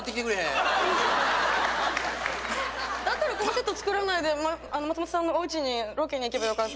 だったらこのセット作らないで松本さんのおうちにロケに行けばよかった。